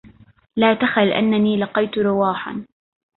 لا تخل أنني لقيت رواحا